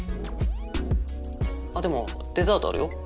あっでもデザートあるよ。